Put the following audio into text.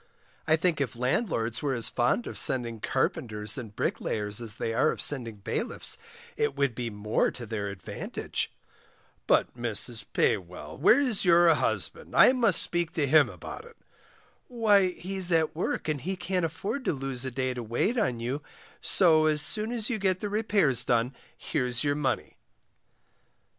I think if landlords were as fond of sending carpenters and bricklayers as they are of sending bailiffs, it would be more to their advantage. But, Mrs Paywell, where's your husband, I must speak to him about it. Why, he's at work, and he can't afford to lose a day to wait on you, so as soon as you get the repairs done here's your money.